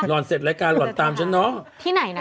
ลนเสร็จรายการล่องตามฉันเนาะ